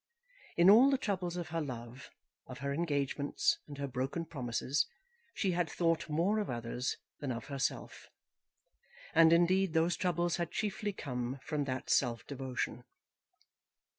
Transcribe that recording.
In all the troubles of her love, of her engagements, and her broken promises, she had thought more of others than of herself, and, indeed, those troubles had chiefly come from that self devotion.